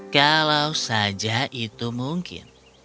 kalau saja itu mungkin